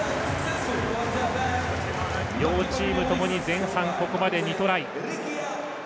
両チームともに前半ここまで２トライ。